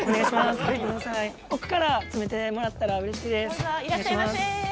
奥から詰めてもらったら嬉しいです。